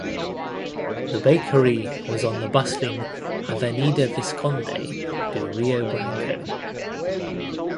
The bakery was on the bustling Avenida Visconde do Rio Branco.